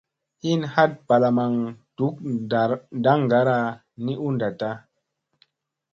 Hin hat balamaŋ duk ndaŋgara ni u ndatta.